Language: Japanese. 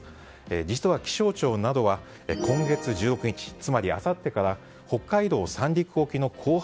実は気象庁などは今月１６日つまりあさってから北海道・三陸沖の後発